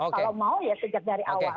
kalau mau ya sejak dari awal